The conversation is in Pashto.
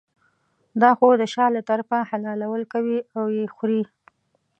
دا خو د شا له طرفه حلالول کوي او یې خوري.